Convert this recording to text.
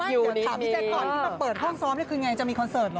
เดี๋ยวถามพี่แจ๊คก่อนที่มาเปิดห้องซ้อมนี่คือไงจะมีคอนเสิร์ตเหรอ